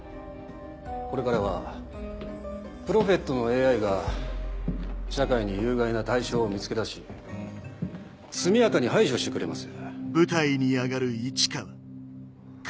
これからはプロフェットのＡＩが社会に有害な対象を見つけ出し速やかに排除してくれます。